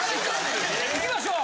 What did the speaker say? いきましょう